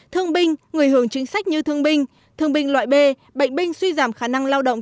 thương binh người hưởng chính sách như thương binh thương binh loại b bệnh binh suy giảm khả năng lao động